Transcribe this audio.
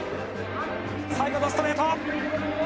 最後のストレート。